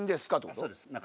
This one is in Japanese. そうです。